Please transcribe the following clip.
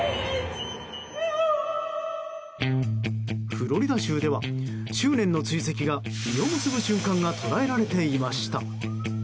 フロリダ州では執念の追跡が実を結ぶ瞬間が捉えられていました。